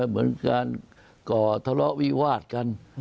เหมือนการก่อทะเลาะวิวาดกัน